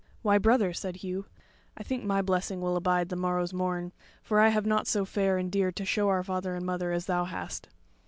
"Why, brother," said Hugh, "I think my blessing will abide the morrow's morn, for I have nought so fair and dear to show our father and mother as thou hast.